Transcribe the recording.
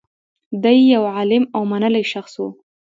دی یو عالم او منلی شخص و